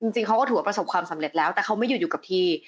จริงเขาก็ถือว่าประสบความสำเร็จแล้วแต่เขาไม่หยุดอยู่กับที่